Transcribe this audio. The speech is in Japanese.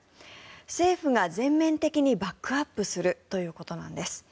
政府が全面的にバックアップするということです。